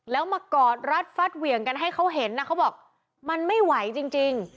แล้วมากอดรัดฟัดเหวี่ยงกันให้เขาเห็นนะเขาบอกมันไม่ไหวจริง